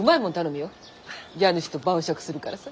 家主と晩酌するからさ。